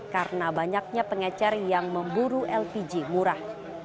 karena banyaknya pengecar yang memburu lpg murah